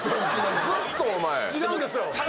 ずっとお前。